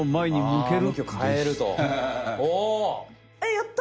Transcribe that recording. やった！